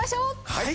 はい。